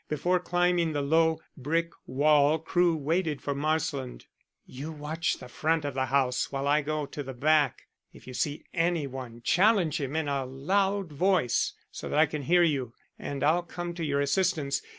Before climbing the low, brick wall Crewe waited for Marsland. "You watch the front of the house while I go to the back. If you see any one challenge him in a loud voice so that I can hear you, and I'll come to your assistance.